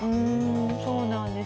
そうなんですよ。